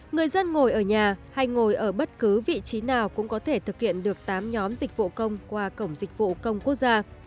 người dân ngồi ở nhà hay ngồi ở bất cứ vị trí nào cũng có thể thực hiện được tám nhóm dịch vụ công qua cổng dịch vụ công quốc gia